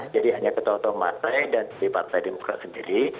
jadi hanya ketua ketua partai dan dpp partai demokrat sendiri